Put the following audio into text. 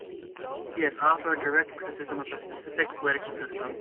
He has offered direct criticism of a specific political system.